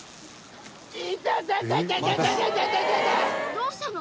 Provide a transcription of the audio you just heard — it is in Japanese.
どうしたの！？